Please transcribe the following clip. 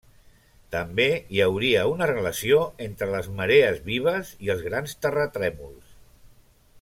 També hi hauria una relació entre les marees vives i els grans terratrèmols.